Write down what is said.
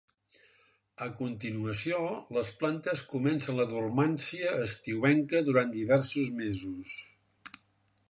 A continuació, les plantes comencen la dormància estiuenca durant diversos mesos.